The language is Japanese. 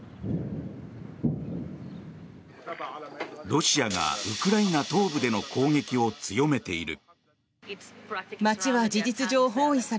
ロシアがウクライナ東部での攻撃を強めている。